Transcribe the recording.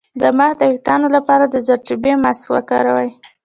د مخ د ويښتانو لپاره د زردچوبې ماسک وکاروئ